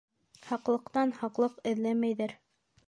Хаҡлыҡтан хаҡлыҡ эҙләмәйҙәр.